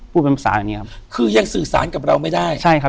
ภาษาอย่างนี้ครับคือยังสื่อสารกับเราไม่ได้ใช่ครับ